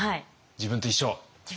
自分と一緒。